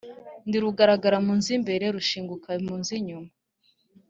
Ndi Rugaragara mu z'imbere, rushinguka mu z'inyuma,